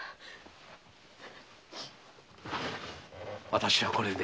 私はこれで。